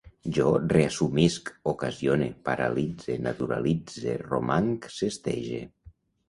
Jo reassumisc, ocasione, paralitze, naturalitze, romanc, sestege